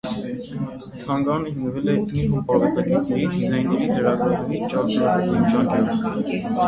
Թանգարանը հիմնվել է մի խումբ արվեստագետների, դիզայներների, լրագրողների, ճարտարապետների ջանքերով։